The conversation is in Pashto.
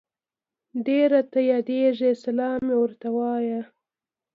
ډير راته ياديږي سلام مي ورته وايه